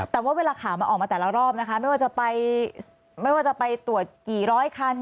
แต่ว่าเวลาข่าวมันออกมาแต่ละรอบนะคะไม่ว่าจะไปไม่ว่าจะไปตรวจกี่ร้อยคัน